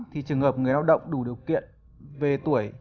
thì trường hợp người lao động đủ điều kiện về tuổi